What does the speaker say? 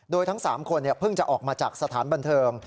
โดยทั้ง๓คนเพิ่งจะออกมาจากสถานบันเทิง